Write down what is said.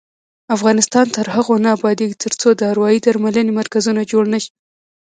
افغانستان تر هغو نه ابادیږي، ترڅو د اروايي درملنې مرکزونه جوړ نشي.